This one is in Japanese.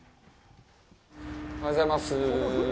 おはようございます。